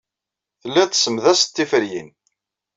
Tellid tessemdased tiferyin.